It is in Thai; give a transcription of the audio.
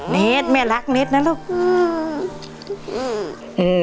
เนธแม่รักเนธนะลูก